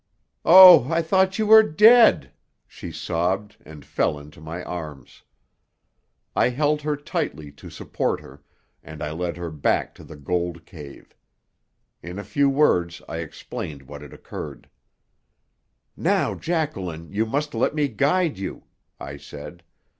"Oh, I thought you were dead!" she sobbed and fell into my arms. I held her tightly to support her, and I led her back to the gold cave. In a few words I explained what had occurred. "Now, Jacqueline, you must let me guide you," I said.